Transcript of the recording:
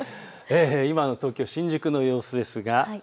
今の東京新宿の様子です。